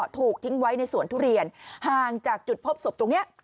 ถูกทิ้งไว้ในสวนทุเรียนห่างจากจุดพบศพตรงนี้